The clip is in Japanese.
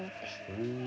へえ。